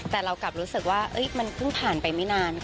แต่เรากลับรู้สึกว่ามันเพิ่งผ่านไปไม่นาน